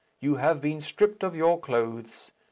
You have been stripped of your clothes.